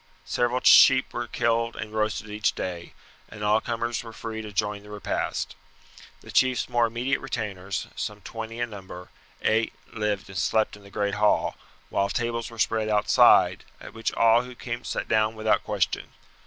Several sheep were killed and roasted each day, and all comers were free to join the repast. The chief's more immediate retainers, some twenty in number, ate, lived, and slept in the great hall; while tables were spread outside, at which all who came sat down without question.